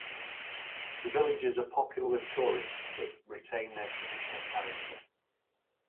The villages are popular with tourists but retain their traditional character.